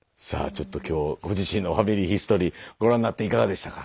ちょっと今日ご自身の「ファミリーヒストリー」ご覧になっていかがでしたか？